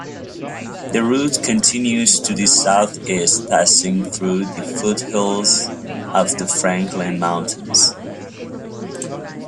The route continues to the southeast passing through the foothills of the Franklin Mountains.